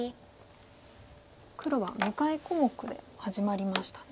黒は向かい小目で始まりましたね。